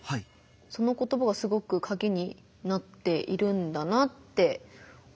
その言葉がすごくカギになっているんだなって思いました。